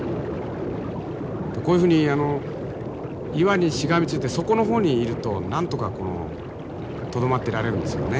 こういうふうに岩にしがみついて底の方にいるとなんとかとどまってられるんですよね。